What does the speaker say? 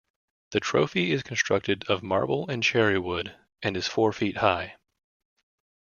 The trophy is constructed of marble and cherry wood, and is four feet high.